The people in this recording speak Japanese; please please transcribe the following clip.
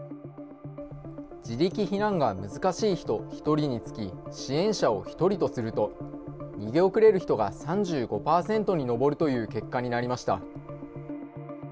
自力避難が難しい人１人につき、支援者を１人とすると、逃げ遅れる人が３５％に上るという結果になりました。